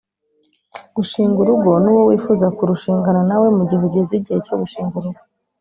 gushinga urugo n'uwo wifuza kurushingana na we mu gihe ugeze igihe cyo gushinga urugo.